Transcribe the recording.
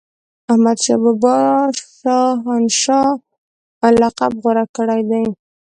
احمدشاه شاه هنشاه لقب غوره کړی دی.